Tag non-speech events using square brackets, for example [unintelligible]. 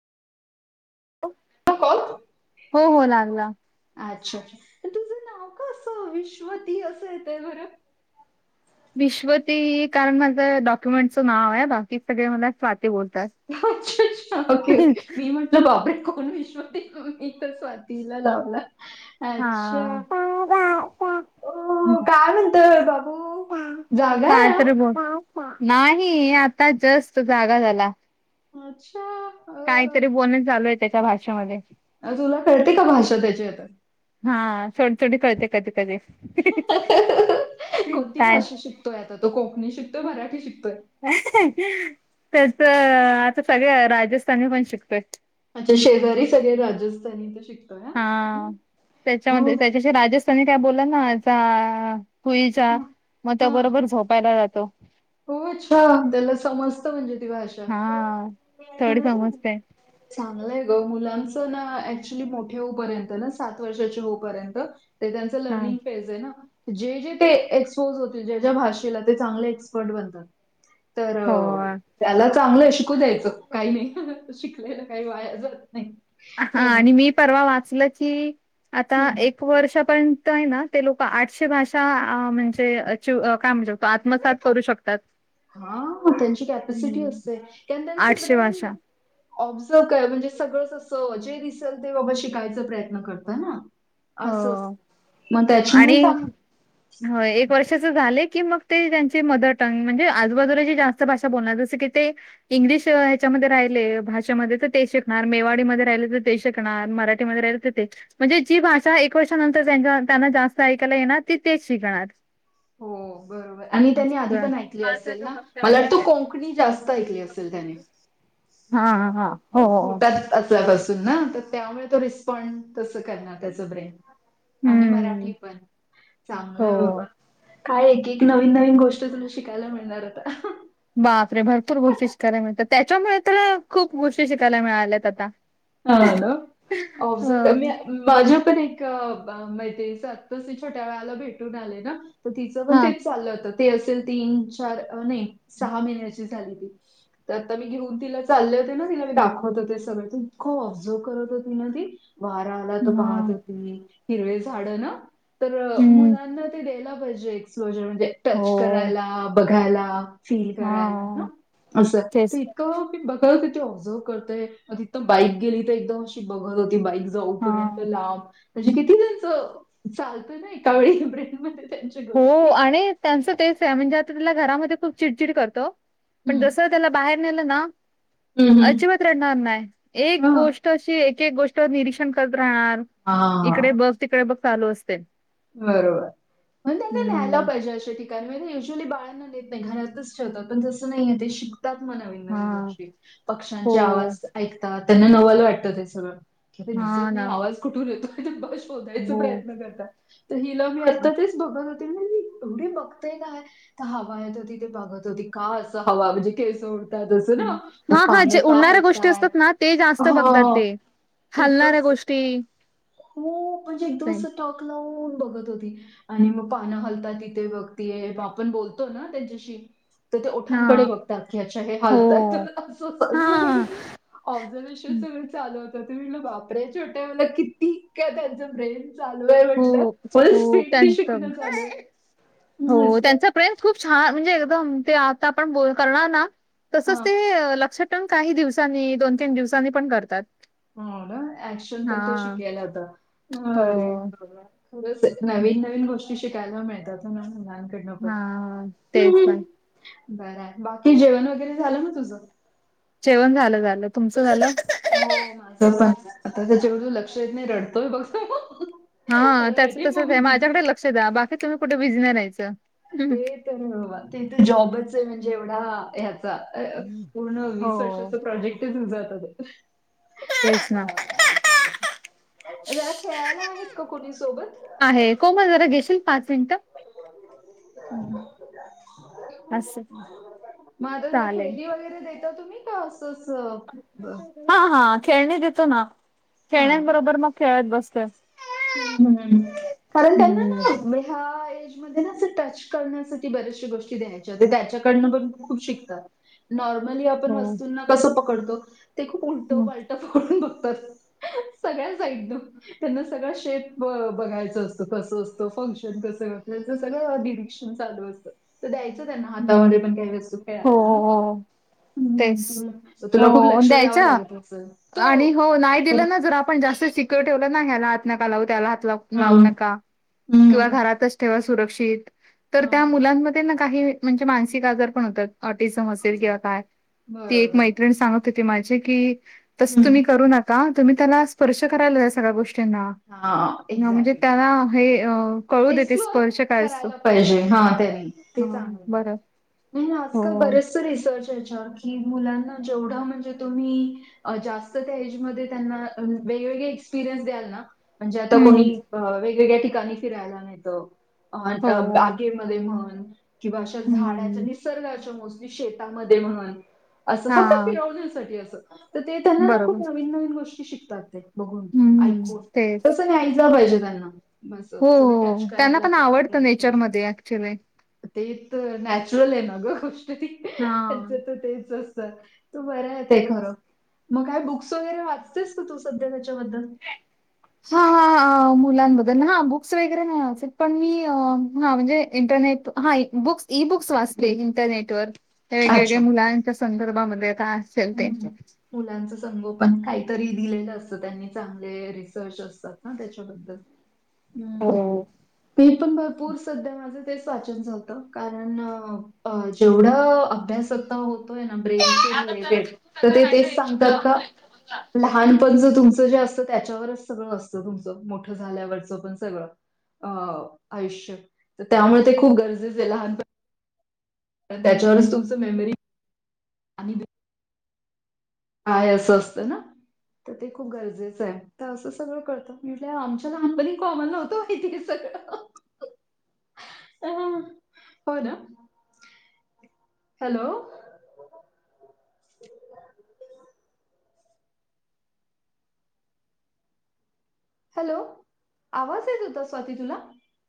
[inaudible] हो, कॉल हो. लागला. अच्छा. तुमचं नाव का असं विश्वती. असं येतय बरं! विश्वती, कारण माझं डॉक्युमेंटचं नावय. बाकी सगळे मला स्वाती बोलतात. अच्छ, च्छा. Okay, okay. मी म्हट बापरे! कोण विश्वती. मी तर स्वातीला लावला. हा. अच्छा. अ काय म्हणतय बाबू. जागाय आ. [unintelligible] [inaudible] नाही. आता जस्त जागा झाला. अच्छा. काहीतरी बोलण चालूय. त्याच्या भाषेमध्ये. तुला कळते का, भाषा त्याची आता? हा, थोडी - थोडी कळते. कधी- कधी. [unintelligible] कोणती काय भाषा शिकतोय, आता तो? कोकणी शिकतोय? मराठी शिकतोय? [unintelligible] त्याच आता सगळ्या, राजस्थानी पण शिकतोय. अच्छा शेजारी सगळे राजस्थानी तर शिक हां त्याच्यामध्ये त्याच्या जशे राजस्थानी काय बोलेना होईल चहा हा मग तो हा. बरोबर झोपायला जातो. हो अच्छा त्याला समजत म्हणजे ती भाषा. हा थोडी समजते चांगलंय ग मुलांच ना ऍक्च्युली मोठे होऊपर्यंत ना सात वर्षाचे होऊपर्यंत ते त्यांच हा लर्निग फेज आहे ना. जे जे ते एक्सपोज होतील ज्या ज्या भाषेला ते चांगले एक्सपर्ट बनतात. तर हो त्याला चांगलय शिकू द्यायचं काही नाही शिकलेल काही वाया जात नाही. हां हो ना. आणि मी परवा वाचल की आता हं. एक वर्षापर्यंत आहे ना ते लोक आठशे भाषा म्हणजे काय म्हणुशकतो आत्मसात करू शकतो. तात हा त्यांची कॅपसिटी असते कारण त्यांच आठशे ब्रेन भाषा ऑब्झर्व काय म्हणजे सगळं असं जे दिसेल ते बाबा शिकायचा प्रयत्न करता ना? हो असं मग त्याच्यामुळे चांग हो एक वर्षाच झाले की मग ते त्यांचे मदर टंग म्हणजे आजूबाजूला जे जास्त भाषा बोलणार जस की ते इंग्लिश ह्यच्यामध्ये राहिले भाषेमध्ये तर ते शिकणार मेवाडीमध्ये राहिले तर ते शि शिकणार मराठी मध्ये राहिले तर तेच म्हणजे जी भाषा [unintelligible] एक वर्षानंतर त्यांना जास्त ऐकायला येणार तेच शिकणार. हो बर आणि त्यांनी आधी असं. पण ऐकले असेल ना? मला वाटतं कोकणी जास्त ऐकली असेल त्याने. हां हां हो, हो. पोटात असल्यापासून ना तर त्यामुळे तो रिस्पॉनड तसं करणार त्याचं ब्रेन. आणि हम्म. मराठी पण चांगलं हो. [unintelligible] काय एक एक नवीन नवीन गोष्ट तुला शिकायला मिळणार आता. बापरे भरपूर गोष्टी शिकायला मिळतात. त्याच्यामुळे तर खूप गोष्टी शिकायला मिळाल्यात आता. हां [unintelligible] अ ऑबजर्व मी माझ्या पण एक मैत्रिणीच आत्तास छोट्या बाळाला भेटून आले ना तर तिचं पण हां. तेच चाललं होत ते असेल तीन चार नाही सहा महिन्या [unintelligible] आता मी घेऊन तिला चालले होते ना तिला मी दाखवत हो सगळ. खूप ऑब्झर्व करत होती ना ती वारा आला तर पाहत हां. होती ती. हिरवे झाड ना तर हं. मुलांना ते द्यायला पाहिजे एक्सप्लोजर. टच हो. करायला, बघायला फील करायला हां. असं. तेच. मी बघल तीथे ते ऑब्झर्व करते [unintelligible] तर बाईक गेली तर एकदम अशी बघत होती बाईक जाऊपर्यंत हां. लांब. म्हणजे किती त्यांच चालतं ना एका वेळी ब्रेन मध्ये त्यांच्या. हो गोष्टी. आणि त्यांचं तेच आहे म्हणजे आता तिला घरामध्ये खूप चिडचिड करतो. पण हं. जस बाहेर नेलं ना हं, हं. अजिबात रडणार नाही एक हां. गोष्ट एक एक गोष्टीवर निरीक्षण करत राहणार इकडे हां. बघ तिकडे बघ चालू असते. बरोबर मग त्याचा न [unintelligible] हम्म पाहिजे अशा ठिकाणी म्हणजे युजुअली बाळांना नेत नाही घरातच ठेवतात पण जसं नाही आहे ते शिक तात मग नवीन नवीन हा गोष्टी हो पक्ष्यांचे आवाज ऐकतात त्यांना नवाल वाटतं ते सगळं. कि ते हा दिसत नाही ना आवाज कुठून येतोय ते बाळ शोधायचा हो. प्रयत्न करतात. तर हिला मी आत्ता तेच बघत होते ना मी एवढी बघतेय काय. तर हवा येत होती ते बघत होती का अस हवा म्हणजे का सोड असं ना, मग हा हा पानं जे उडणाऱ्या गोष्टी हलतात? असतात ना ते जास्त बघतात हां. ते. हलणाऱ्या गोष्टी हो म्हणजे एक दोन ते. अस टॉक लावून बघत होती. आणि मग पानं हलतात तिथे बघतीय आपण बोलतो ना त्यांच्याशी तर ते हा ओठांकडे बघतात की अच्छा हे हो हालतय स हा [inaudible] ऑब्झर्वेशन सगळं चालू होतं म्हटल बापऱे छोट्या म की ठीक का त्यांचं ब्रेन चालू आहे हो म्हटलं फुल हो स्पीड त्यांच शिकलं चालू आहे. हं, हो असं त्यांच प्रेम खूप छान म्हणजे एकदम ते आता आपण बोल करणार ना तसच हां. ते लक्ष ठेवुन काही दिवसांनी दोन, तीन दिवसांनी पण करतात. होका आक्षन परतोल तो हां. शिकला गेला हो. होता. उलट नवीन, नवीन गोष्टी शिकायला मिळतात. लहान मुलांन कडन पण हां, हम्म, तेच ना. हम्म. बर आहे बाकी जेवण वगैरे झालं म तुझं? जेवण झालं, झालं. तुमचं झालं? हो माझं पण आता त्याच्या बाजून लक्ष येत नाही रडतोय बघतो. हा त्याचं तसच आहे माझ्याकडे लक्ष द्या बाकी तुम्ही कुठे बिझी नाही राहायचं. ते तर बाबा तेच जॉबच आहे म्हणजे एवढा ह्याचा. अ पूर्ण वीस हो, वर्षाच प्रोजेक्टच आहे आता तुझं ते. तेच ना. ह. [inaudible] त्याला खेळायला आहेत का कुणी सोबत? आहे कोम जरा घेशील पाच मिनिटं. मग असं. आता त्याला चालेल. खेळनी वगैरे द तुम्ही का असंच ह हा खेळणे देतो ना खेळण्यांबरोबर मग खेळत बसतोय. हम्म, हम्म कारण त्यांना हं. ना ह्या येज अस टच करण्यासाठी बर्याचश गोष्टी द्यायच्या त्याच्याकडनं पण भरपूर शिकतात. नॉर्मली आपण हो. वस्तूंना कस पकडतो ते खूप उलटल हं, पालट कडून बघतात सगळ्यां एकदम त्यांना सळ शेप बघायच असत कसं असतं फंक्शन कसं घल्याच सगळं डिरेशन चालू असतं. तर द्यायचं त्यां ना हं. हातामध्ये पण काही वस्तू हो, खेळायला ना. हो. हम्म तेच तुला तुला खूप हो लक्ष द्यावं द्यायच्या लागत असेल तो आणि हो नाही दिलं ना हा जर आपण जास्त शिक ठेवलं ना ह्याला हात नका लावू, त्याला हात लाव लावू नका. किंवा हम्म घरातच ठेवा सुरक्षित तर हा त्या मुलांमध्ये ना काही म्हणजे मानसिक आजार पण होतात ऑटिझम असेल किंवा काय ती एक बरोबर. मैत्रिण सांगत माझे की तस हं, तुम्ही करू नका तुम्ही त्याला स्पर्श करायला या सगळ्या गोष्टीना. हां म्हणजे एक्झॅक्टली. त्यांला हे अ कळू देते एक्सप्लोर स्पर्श काय असतो करायला पाहिजे हा त्यांनी ते हा चांगल आहे बरं नाही आज हो काल बरेच रिसजर्च याच्यावर की मुलांना जेवढं म्हणजे तुम्ही जास्त त्या एजमध्ये त्यांना वेगवेगळे एक्सपिरियन्स द्याल ना म्हणजे आता हम्म कोणी वेगवेगळ्या ठिकाणी फिरायला नेत हो अ बागेमध्ये म्हण किंवा अशा झाडाच्या हम्म निसर्गाच्या मस्त शेतात मध्ये म्हण असं हा फक्त फिरवण्यासाठी बरोबर. नवीन गोष्टी शिकतात ते बघून हम्म, ऐकुन तेच. तस नाही ऐ पाहिजे त्यांना ब हो त्यांना पण आवडतं नेचरमध्ये ऍक्च्युली ते तर नॅचरल आहेना ग गोष्ट ती त्यांच हां. तर तेच तू बरं आहे ते खरं मग काय बुक्स वगैरे वाचतेस का तू सध्या त्याच्याबद्दल? हा ह मुलांबद्दल हा बुक्स वगैरे नाही पण मी हा म्हणजे इंटरनेट हा बुक्स इ बुक्स वाचते इंटरनेट वर अच्छा. वेगवेगळ्या मुलांच्या संदर्भामध्ये आ असेल ते हं. मुलांचं संगोपन काहीतरी दिलेलं असतं त्यांनी चांगले रिसर्च असतात ना त्याच्याबद्दल हम्म. हो. ते पण भरपूर सध्या माझं तेच वाचन झालत. कारण जेवढं अभ्यासता होतोय ना ब्रेनशि रिलेट त्याला खूप माहिती आहे क माहि लहानपणच तुमचं जे असतं त्याच्यावरच सगळं असतं तुमचं मोठं झाल्यावरचं पण सगळं. अं आयुष्य तर त्यामुळे ते खूप गरजेचे आहे लहानप त्याच्यावरच तुमचं मेमरी आणि काय असं असतं ना. तर ते खूप गरजेचं आहे तर असं सगळं करतं म्ह आमच्या लहानपणी कॉमन नव्हतं माहिती. अ हो ना. हॅलो. हॅलो आवाज येत होता स्वाती तुला?